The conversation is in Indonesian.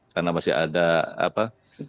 karena masih ada apa